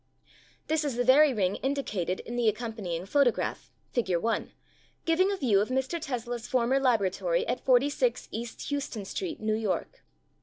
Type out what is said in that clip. This is the very ring indicated in the accom panying photograph (Fig. 1), giving a view of Mr. Tesla's former laboratory at 46 E. Houston Street, New York.